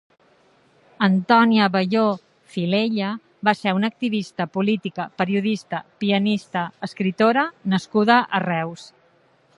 Antònia Abelló Filella va ser una activista política, periodista, pianista, escriptora nascuda a Reus.